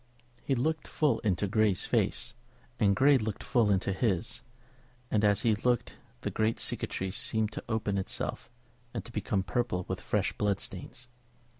He looked full into Grey's face, and Grey looked full into his; and as he looked the great cicatrice seemed to open itself and to become purple with fresh blood stains.